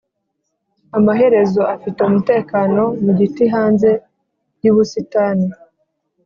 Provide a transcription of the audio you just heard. amaherezo afite umutekano mu giti hanze yubusitani.